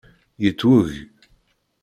Yettweg!